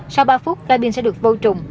sau ba phút ca binh sẽ được vô trùng